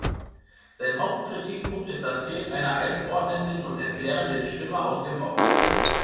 Sein Hauptkritikpunkt ist das Fehlen einer einordnenden und erklärenden Stimme aus dem Off.